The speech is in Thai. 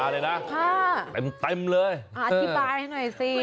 อธิบายให้หน่อยสิ